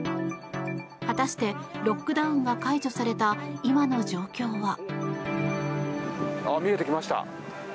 果たしてロックダウンが解除された今の状況は。